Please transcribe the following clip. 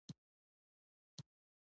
امریکایانو قرارداد ورکړی و.